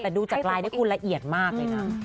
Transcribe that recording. แต่ดูจากรายได้คุณละเอียดมากเลยนะ